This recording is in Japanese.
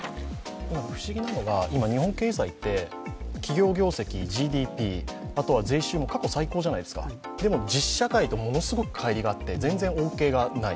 不思議なのが今日本経済って企業業績、ＧＤＰ、後は税収も過去最高じゃないですかでも、実社会とはものすごいかい離があって全然恩恵がない。